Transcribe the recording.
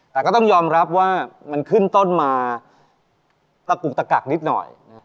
แต่ก็ต้องยอมรับว่ามันขึ้นต้นมาตะกุกตะกักนิดหน่อย